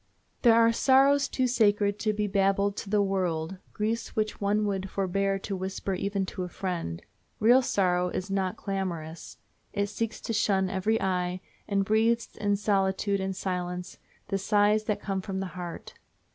There are sorrows too sacred to be babbled to the world, griefs which one would forbear to whisper even to a friend. Real sorrow is not clamorous. It seeks to shun every eye, and breathes in solitude and silence the sighs that come from the heart.